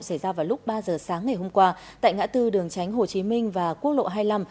xảy ra vào lúc ba giờ sáng ngày hôm qua tại ngã tư đường tránh hồ chí minh và quốc lộ hai mươi năm